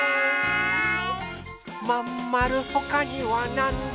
まんまるほかにはなんだ？